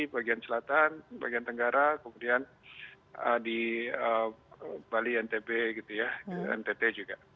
bagian selatan bagian tenggara kemudian di bali ntb gitu ya di ntt juga